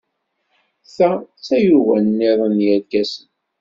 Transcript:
Ta d tayuga niḍen n yerkasen.